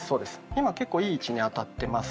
今結構いい位置に当たってますよ。